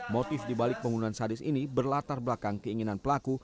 motif dibalik pembunuhan sadis ini berlatar belakang keinginan pelaku